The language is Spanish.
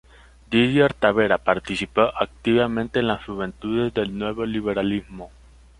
Didier Tavera participó activamente en las Juventudes del Nuevo Liberalismo.